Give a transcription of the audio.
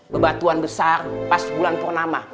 bebatuan besar pas bulan purnama